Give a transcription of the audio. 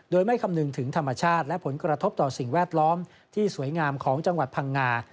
โดยไม่คำนึงถึงธรรมชาติและผลกระทบต่อสิ่งแวดล้อมที่สวยงามของจังหวัดพังงา